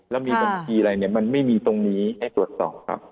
แล้วมีบัญชีอะไรเนี่ยมันไม่มีตรงนี้ให้ตรวจสอบครับ